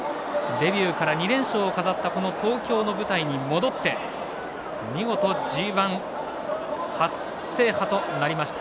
デビューから２連勝を飾った東京の舞台に戻って見事ＧＩ初制覇となりました。